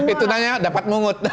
itu nanya dapat mungut